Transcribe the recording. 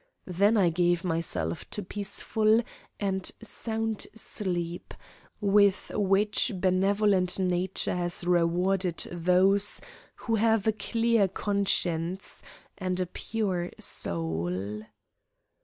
Then I gave myself to peaceful and sound sleep, with which benevolent nature has rewarded those who have a clear conscience and a pure soul.